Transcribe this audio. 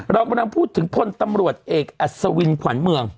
เรากำลังพูดถึงพลตำรวจเอกอัศวินขวัญเมือง